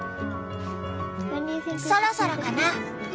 そろそろかな？